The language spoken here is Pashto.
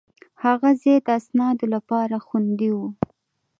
هغه ځای د اسنادو لپاره خوندي و.